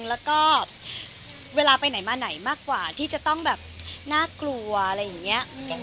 แล้วก็เวลาไปไหนมาไหนมากกว่าที่จะต้องแบบน่ากลัวอะไรอย่างนี้